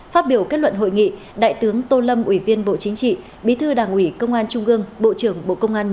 phát biểu kết luận hội nghị đại tướng tô lâm ủy viên bộ chính trị bí thư đảng ủy công an trung gương bộ trưởng bộ công an